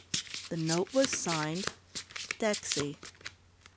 The note was signed "Dexy."